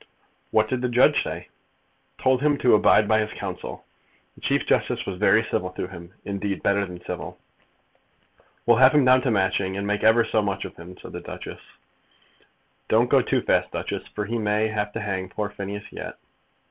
"What did the judge say?" "Told him to abide by his counsel. The Chief Justice was very civil to him, indeed better than civil." "We'll have him down to Matching, and make ever so much of him," said the Duchess. "Don't go too fast, Duchess, for he may have to hang poor Phineas yet."